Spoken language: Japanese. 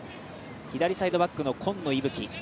左サイドバックの今野息吹。